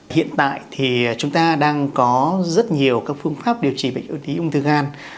hiện tại thì chúng ta đang có rất nhiều các phương pháp điều trị bệnh lý ung thư gan